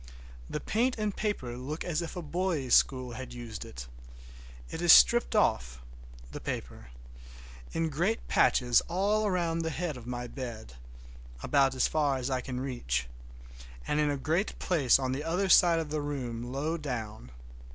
The paint and paper look as if a boys' school had used it. It is stripped off—the paper—in great patches all around the head of my bed, about as far as I can reach, and in a great place on the other side of the room low down.